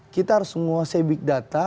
kita harus menguasai big data